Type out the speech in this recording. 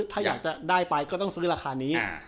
ถ้าอยากจะได้ไปก็ต้องซื้อราคานี้